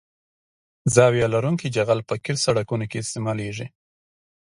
زاویه لرونکی جغل په قیر سرکونو کې استعمالیږي